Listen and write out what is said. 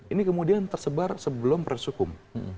ini kemudian tersebar sebelum proses hukum